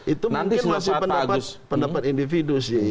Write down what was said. itu mungkin masih pendapat individu sih